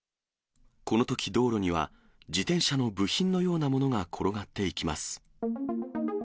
このとき、道路には自転車の部品のようなものが転がっていきます。